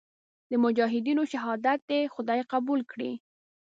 د مجاهدینو شهادت دې خدای قبول کړي.